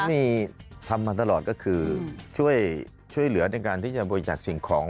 มีทำมาตลอดก็คือช่วยเหลือในการที่จะบริจาคสิ่งของ